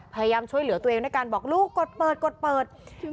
พยายามช่วยเหลือตัวเองในการบอกลูกกดเปิด